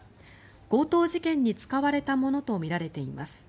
強盗事件に使われたものとみられています。